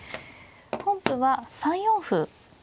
本譜は３四歩。